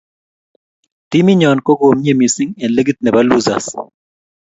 timinyo kokomie missing eng ligit nebo losers